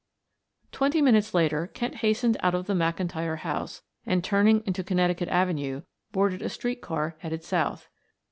Twenty minutes later Kent hastened out of the McIntyre house and, turning into Connecticut Avenue, boarded a street car headed south.